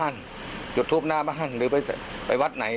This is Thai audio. หรือจุดทุบหน้าบ้าน